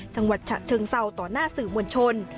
จังวัตรชะเทิงเต้าต่อหน้าสื่อมวลชน